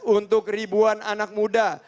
untuk ribuan anak muda